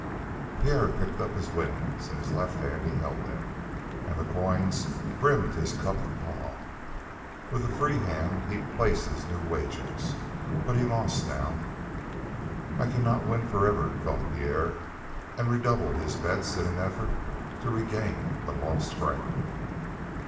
Pierre picked up his winnings. In his left hand he held them, and the coins brimmed his cupped palm. With the free hand he placed his new wagers. But he lost now. "I cannot win forever," thought Pierre, and redoubled his bets in an effort to regain the lost ground.